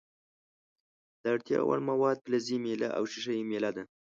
د اړتیا وړ مواد فلزي میله او ښيښه یي میله ده.